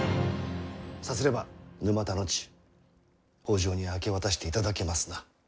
さすれば沼田の地北条に明け渡していただけますな？